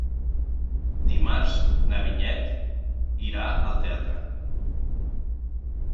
Dimarts na Vinyet irà al teatre.